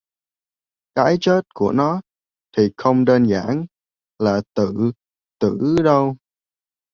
Cái chết của nó thì không đơn giản là tự tử đâu